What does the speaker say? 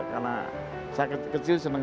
karena saya kecil senang